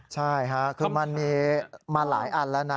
ใช่ค่ะคือมันมีมาหลายอันแล้วนะ